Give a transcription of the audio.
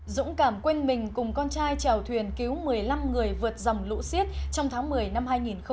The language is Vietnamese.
dũng cảm quên mình cùng con trai trèo thuyền cứu một mươi năm người vượt dòng lũ siết trong tháng một mươi năm hai nghìn một mươi chín